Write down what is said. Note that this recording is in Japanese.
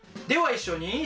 では一緒に。